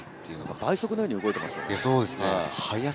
倍速のように動いてますよね。